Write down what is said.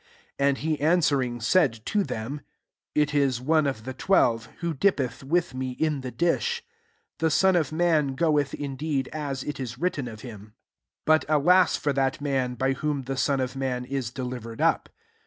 "1 SO And he [answering,] said to them, " ItU one of the twelve* who dippeth with me iu the dish. £1 The Son of man goeth indeed, as it is written of nim : MARK XIV. 99 but alas iM* ^at maa by wfiom die SoR of matt is delivered tip